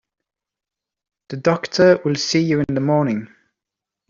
The doctor will see you in the morning.